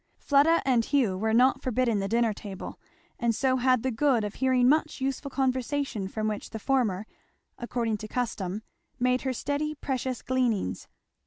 Fleda and Hugh were not forbidden the dinner table, and so had the good of hearing much useful conversation from which the former, according to custom, made her steady precious gleanings.